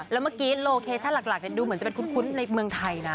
แล้วเมื่อกี้โลเคชันหลักเนี่ยดูจะเหมือนจะคุ้นในเมืองไทยนะ